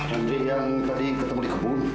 nanti yang tadi ketemu di kebun